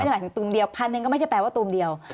หมายถึงตูมเดียวพันหนึ่งก็ไม่ใช่แปลว่าตูมเดียว